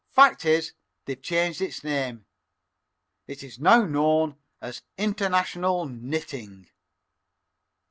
"Fact is, they've changed its name. It is now known as International Nitting."